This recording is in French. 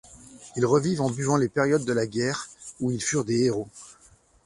Ils revivent en buvant les périodes de la guerre où ils furent des héros.